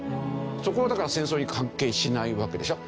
そこはだから戦争に関係しないわけでしょ。